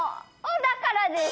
だからです。